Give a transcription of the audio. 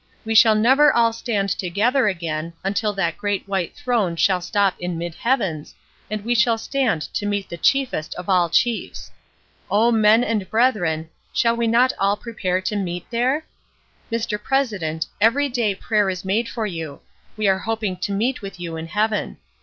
We shall never all stand together again, until that great white throne shall stop in mid heavens, and we shall stand to meet the Chiefest of all chiefs. O men and brethren, shall we not all prepare to meet there? Mr. President, every day prayer is made for you; we are hoping to meet with you in heaven.